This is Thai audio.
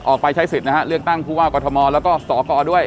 ออกไปใช้สิทธิ์นะฮะเลือกตั้งผู้ว่ากรทมแล้วก็สกด้วย